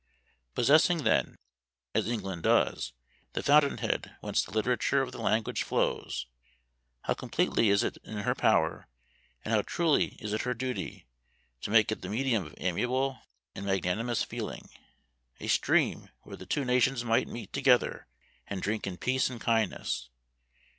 Possessing, then, as England does, the fountain head whence the literature of the language flows, how completely is it in her power, and how truly is it her duty, to make it the medium of amiable and magnanimous feeling a stream where the two nations might meet together and drink in peace and kindness.